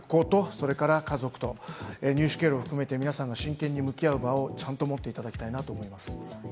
学校と家族と入手経路を含めて皆さんが真剣に向き合う場をしっかりと持っていただきたいと思います。